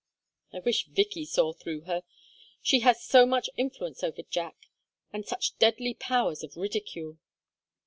I wish Vicky saw through her; she has so much influence over Jack, and such deadly powers of ridicule.